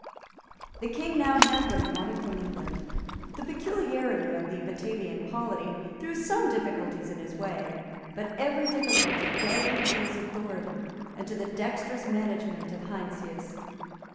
The King now had what he wanted from England. The peculiarity of the Batavian polity threw some difficulties in his way; but every difficulty gelded to his authority and to the dexterous management of Heinsius.